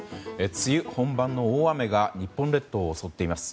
梅雨本番の大雨が日本列島を襲っています。